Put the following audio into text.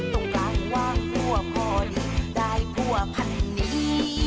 ตรงกลางว่างกลัวพอดีได้ผัวพันนี้